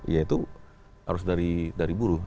ya itu harus dari buruh